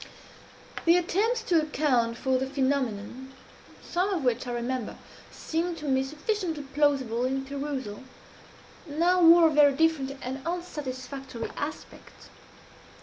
The attempts to account for the phenomenon some of which, I remember, seemed to me sufficiently plausible in perusal now wore a very different and unsatisfactory aspect.